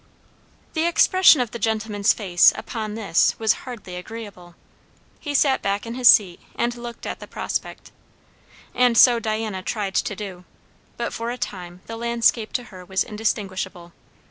The expression of the gentleman's face upon this was hardly agreeable; he sat back in his seat and looked at the prospect; and so Diana tried to do, but for a time the landscape to her was indistinguishable.